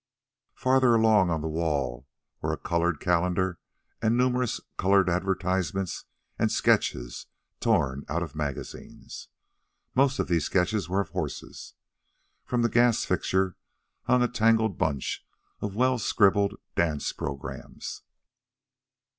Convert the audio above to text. Farther along on the wall were a colored calendar and numerous colored advertisements and sketches torn out of magazines. Most of these sketches were of horses. From the gas fixture hung a tangled bunch of well scribbled dance programs.